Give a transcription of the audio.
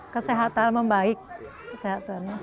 kesehatan membaik kesehatan